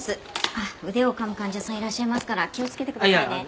あっ腕をかむ患者さんいらっしゃいますから気をつけてくださいね。